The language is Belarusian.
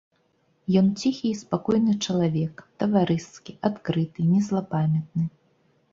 Ён ціхі і спакойны чалавек, таварыскі, адкрыты, незлапамятны.